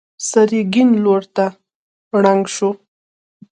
سر يې کيڼ لور ته ړنګ شو.